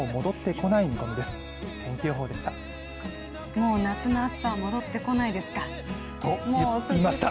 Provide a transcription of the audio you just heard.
もう夏の暑さは戻ってこないですか。と言いました。